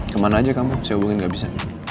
kemana aja kamu saya hubungin gak bisa